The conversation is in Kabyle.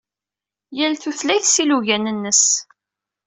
Yal tutlayt s yilugan-nnes.